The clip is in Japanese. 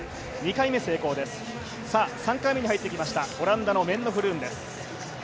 ３回目に入ってきました、オランダのメンノ・フルーンです。